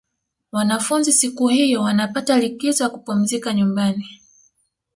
wanafunzi siku hiyo wanapata likizo ya kupumzika nyumbani